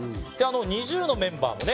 ＮｉｚｉＵのメンバーもね